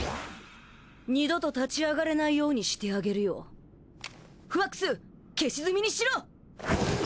二度と立ち上がれないようにしてあげるよフワックス消し炭にしろ！